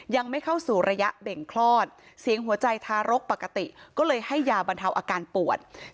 ยังไม่เข้าสู่ระยะเบ่งคลอดเสียงหัวใจทารกปกติก็เลยให้ยาบรรเทาอาการปวด